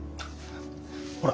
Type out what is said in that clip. ほら。